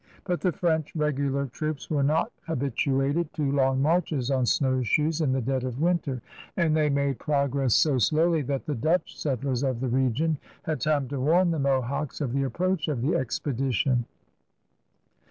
But the French regular troops were not habituated to long marches on snowshoes in the dead of winter; and they made progress so slowly that the Dutch settlers of the region had time to warn the Mohawks of the approach of the expedition.